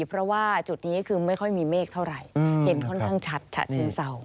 เพราะว่าจุดนี้คือไม่ค่อยมีเมฆเท่าไหร่เห็นค่อนข้างชัดฉะเชิงเศร้า